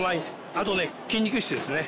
あとね筋肉質ですね。